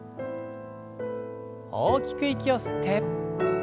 大きく息を吸って。